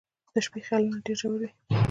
• د شپې خیالونه ډېر ژور وي.